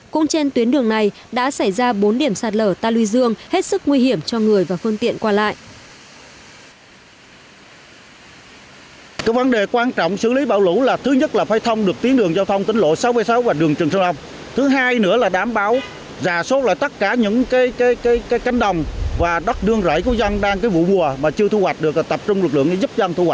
cũng trên tuyến đường này đã xảy ra bốn điểm sạt lở ta lưu dương hết sức nguy hiểm cho người và phương tiện qua lại